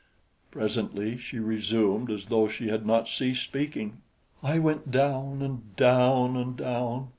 Presently she resumed as though she had not ceased speaking. "I went down and down and down.